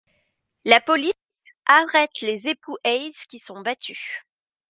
La police arrête les époux Hayes, qui sont battus.